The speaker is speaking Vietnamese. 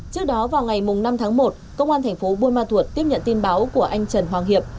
trước đó vào ngày năm tháng một công an thành phố buôn ma thuột tiếp nhận tin báo của anh trần hoàng hiệp